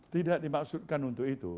tidak dimaksudkan untuk itu